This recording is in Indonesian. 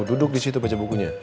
duduk disitu baca bukunya